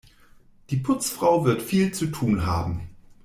Die Putzfrau wird viel zu tun haben.